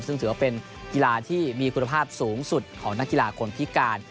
ซึ่งถือว่าเป็นกีฬาที่มีคุณภาพสูงสุดของนักกีฬาคนพิการ